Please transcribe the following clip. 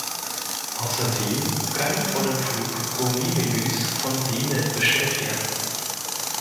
Außerdem können vor dem Flug Gourmet-Menüs von Demel bestellt werden.